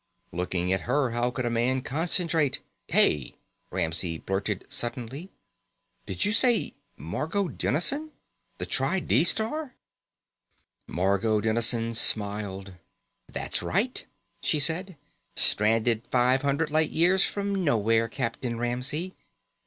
Looking at her, how could a man concentrate.... "Hey!" Ramsey blurted suddenly. "Did you say Margot Dennison? The tri di star?" Margot Dennison smiled. "That's right," she said. "Stranded five hundred light years from nowhere, Captain Ramsey.